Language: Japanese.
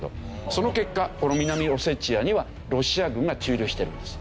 その結果この南オセチアにはロシア軍が駐留してるんです。